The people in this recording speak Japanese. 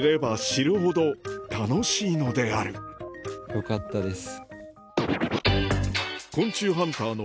よかったです。